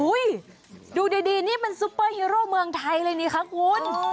ดูดีนี่มันซุปเปอร์ฮีโร่เมืองไทยเลยนี่คะคุณ